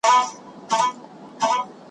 زموږ دي ژوندون وي د مرګ په خوله کي ,